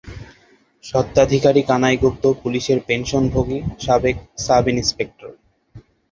স্বত্বাধিকারী কানাই গুপ্ত, পুলিসের পেনশনভোগী সাবেক সাব-ইনস্পেক্টর।